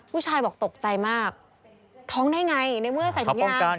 ผู้ชายบอกตกใจมากท้องได้ไงในเมื่อใส่ถุงยาง